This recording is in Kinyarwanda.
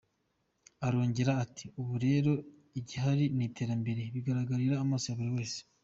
Arongera ati “Ubu rero igihari ni iterambere, bigaragarira amaso ya buri wese.